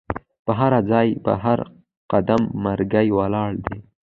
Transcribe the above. په هرځای په هر قدم مرګی ولاړ دی